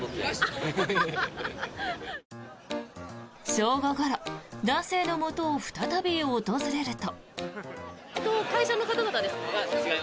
正午ごろ男性のもとを再び訪れると。